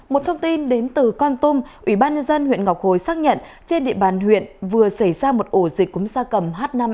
một thông tin đến từ con tum ủy ban nhân dân huyện ngọc hồi xác nhận trên địa bàn huyện vừa xảy ra một ổ dịch cúm da cầm h năm